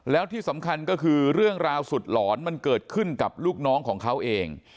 แล้วที่สำคัญก็คือเรื่องราวสุดหลอนมันเกิดขึ้นกับลูกน้องของเขาเอง